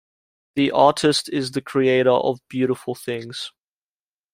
The artist is the creator of beautiful things.